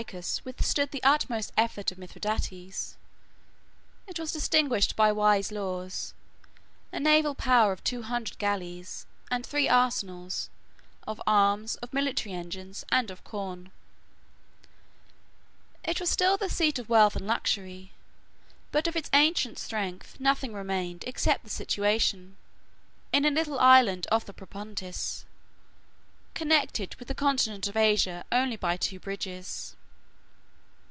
32, 33.] When the city of Cyzicus withstood the utmost effort of Mithridates, 114 it was distinguished by wise laws, a naval power of two hundred galleys, and three arsenals, of arms, of military engines, and of corn. 115 It was still the seat of wealth and luxury; but of its ancient strength, nothing remained except the situation, in a little island of the Propontis, connected with the continent of Asia only by two bridges.